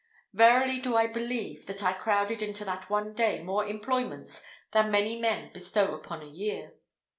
Verily do I believe that I crowded into that one day more employments than many men bestow upon a year.